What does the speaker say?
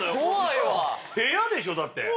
部屋でしょだって。